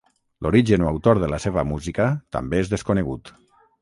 L'origen o autor de la seva música també és desconegut.